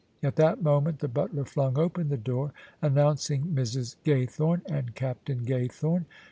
At that moment the butler flung open the door announcing " Mrs. Gaythome and Captain Gaythome."